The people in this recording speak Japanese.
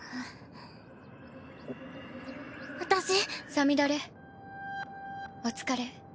さみだれお疲れ。